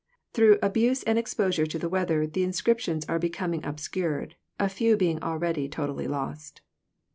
Through abuse and exposure to the weather the inscriptions are becoming obscured, a few being already totally lost.